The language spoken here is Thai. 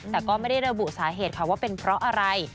แต่ก็ไม่ได้ระบุสาเหตุค่ะว่าเป็นเพราะอะไร